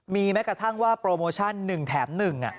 มีแม้กระทั่งว่าโปรโมชั่น๑แถม๑